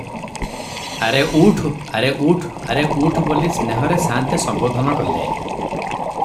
'ଆରେ ଉଠ୍, ଆରେ ଉଠ, ଆରେ ଉଠ୍' ବୋଲି ସ୍ନେହରେ ସାଆନ୍ତେ ସମ୍ବୋଧନ କଲେ ।